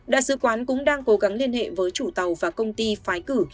đại sứ quán cũng đang cố gắng liên hệ với chủ tàu và công ty phái cử